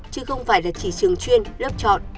chứ không phải là chỉ trường chuyên lớp chọn